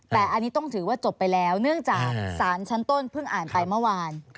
แต่อันนี้ต้องถือว่าจบไปแล้วเนื่องจากสารชั้นต้นเพิ่งอ่านไปเมื่อวาน